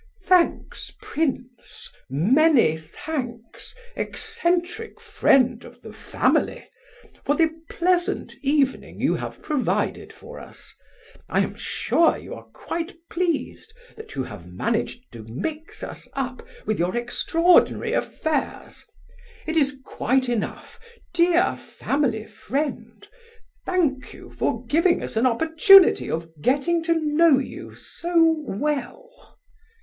"Thanks, prince, many thanks, eccentric friend of the family, for the pleasant evening you have provided for us. I am sure you are quite pleased that you have managed to mix us up with your extraordinary affairs. It is quite enough, dear family friend; thank you for giving us an opportunity of getting to know you so well."